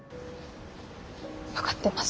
分かってます。